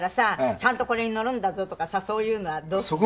ちゃんとこれに乗るんだぞとかさそういうのはどうするの？